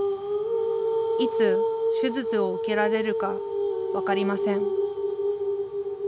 いつ手術を受けられるか分かりません